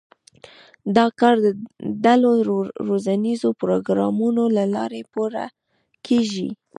دا کار د ډلو روزنیزو پروګرامونو له لارې پوره کېږي.